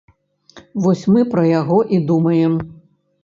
Вось мы пра яго і думаем.